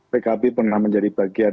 pkb pernah menjadi bagian